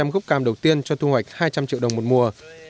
hai trăm linh gốc cam đầu tiên cho thu hoạch hai trăm linh triệu đồng một mùa